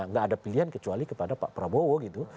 nggak ada pilihan kecuali kepada pak prabowo gitu